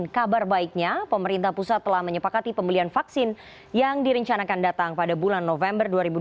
kabar baiknya pemerintah pusat telah menyepakati pembelian vaksin yang direncanakan datang pada bulan november dua ribu dua puluh